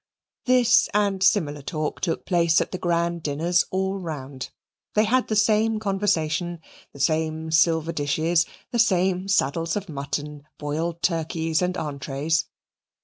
This and similar talk took place at the grand dinners all round. They had the same conversation; the same silver dishes; the same saddles of mutton, boiled turkeys, and entrees.